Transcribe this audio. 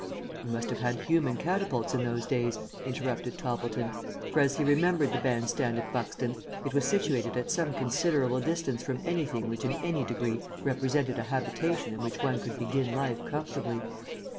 "You must have had human catapults in those days," interrupted Toppleton, for as he remembered the band stand at Buxton, it was situated at some considerable distance from anything which in any degree represented a habitation in which one could begin life comfortably.